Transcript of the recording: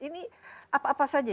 ini apa apa saja